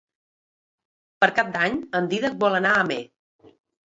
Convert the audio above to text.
Per Cap d'Any en Dídac vol anar a Amer.